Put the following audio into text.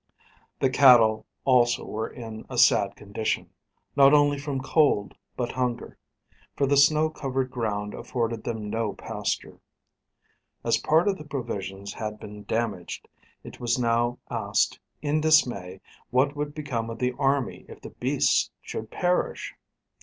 The cattle also were in a sad condition, not only from cold, but hunger; for the snow covered ground afforded them no pasture. As part of the provisions had been damaged, it was now asked in dismay, what would become of the army if the beasts should perish?